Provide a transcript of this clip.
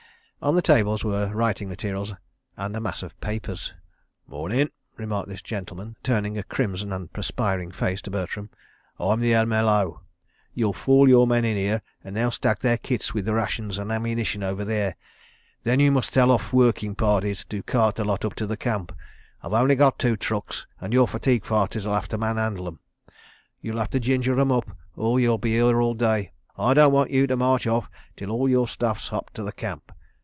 On the tables were writing materials and a mass of papers. "Mornin'," remarked this gentleman, turning a crimson and perspiring face to Bertram. "I'm the M.L.O. You'll fall your men in here and they'll stack their kits with the rations and ammunition over there. Then you must tell off working parties to cart the lot up to the camp. I've only got two trucks and your fatigue parties'll have to man handle 'em. You'll have to ginger 'em up or you'll be here all day. I don't want you to march off till all your stuff's up to the camp.